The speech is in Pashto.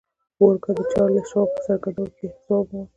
مورګان د چارلیس شواب په څرګندونو کې ځواب وموند